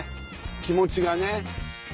気持ちがね。